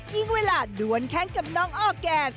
ยิ่งเวลาด้วนแข้งกับน้องออร์แกน